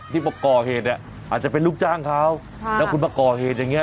ที่ประกอบเหตุเนี่ยอาจจะเป็นลูกจ้างเขาแล้วคุณประกอบเหตุอย่างเงี้ย